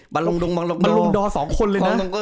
บัลลองโดบัลลองโด๒คนเลยนะ